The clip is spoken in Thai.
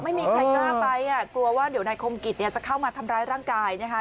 ไม่มีใครกล้าไปอ่ะกลัวว่าเดี๋ยวนายคมกิจเนี่ยจะเข้ามาทำร้ายร่างกายนะคะ